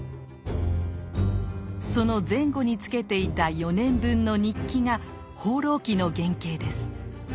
その前後につけていた４年分の日記が「放浪記」の原形です。